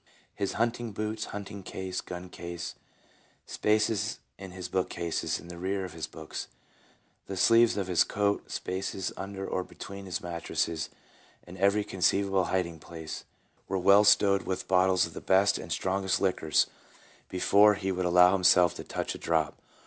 His hunting boots, hunting case, gun case, spaces in his bookcases in the rear of his books, the sleeves of his coat, spaces under or between his mattresses, and every conceivable hiding place were well stowed with bottles of the best and strongest liquors before he would allow himself to touch a drop.